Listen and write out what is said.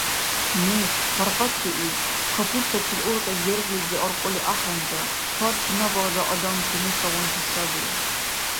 Неш, паргъатрии! Капуртачил ургъес дергълизи аркьули ахӀенра. Гьар чинабалра адамти нушагъунти саби.